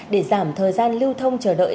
để giảm thời gian lưu thông chờ đợi